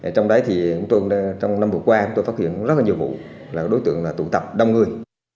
trong đấy thì trong năm vừa qua tôi phát hiện rất nhiều vụ là đối tượng tụ tập đông người